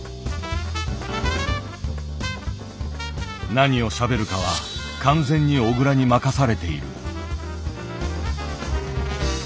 何をしゃべるかは完全に小倉に任されている。